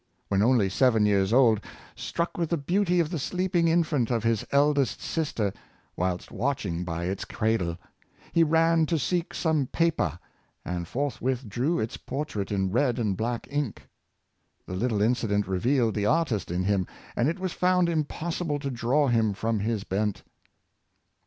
When only seven years old, struck with the beauty of the sleeping infant of his eldest sister, whilst watching by its cradle, he ran to seek some pa per, and forthwith drew its portrait in red and black ink. The little incident revealed the artist in him, and it was found impossible to draw him from his bent.